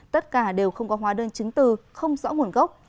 tất cả đều không có hóa đơn chứng từ không rõ nguồn gốc